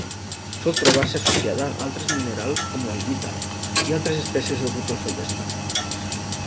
Sol trobar-se associada a altres minerals com l'albita i altres espècies del grup del feldespat.